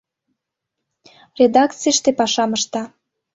«Редакцийыште пашам ышта...»